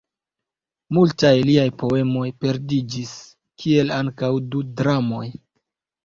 Multaj liaj poemoj perdiĝis, kiel ankaŭ du dramoj.